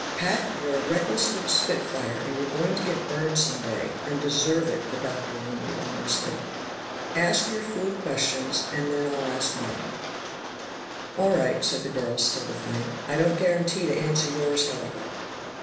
"Pat, you're a reckless little spit fire, and you're going to get burned some day, and deserve it," the Doctor rumbled ominously. "Ask your fool questions, and then I'll ask mine." "All right," said the girl, still defiant. "I don't guarantee to answer yours, however."